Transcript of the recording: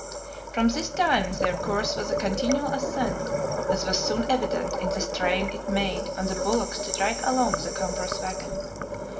From this time their course was a continual ascent, as was soon evident in the strain it made on the bullocks to drag along the cumbrous wagon.